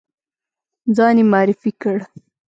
ځان یې معرفي کړ.